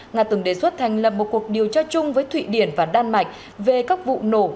nga từng đề xuất thành lập một cuộc điều tra chung với thụy điển và đan mạch về các vụ nổ